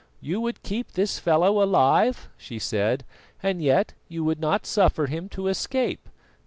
"You would keep this fellow alive?" she said, "and yet you would not suffer him to escape.